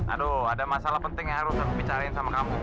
aduh ada masalah penting yang harus aku bicarain sama kamu